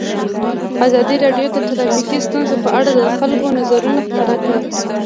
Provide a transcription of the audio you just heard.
ازادي راډیو د ټرافیکي ستونزې په اړه د خلکو نظرونه خپاره کړي.